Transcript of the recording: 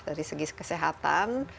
dari segi kesehatan